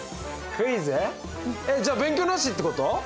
クイズ？じゃあ勉強なしってこと？